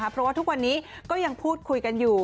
เพราะว่าทุกวันนี้ก็ยังพูดคุยกันอยู่